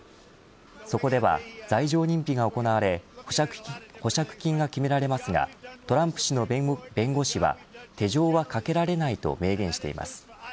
そこでは罪状認否が行われ保釈金が決められますがトランプ氏の弁護士は手錠はかけられないと明言しています。